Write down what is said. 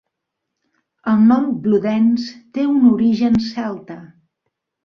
El nom Bludenz té un origen celta.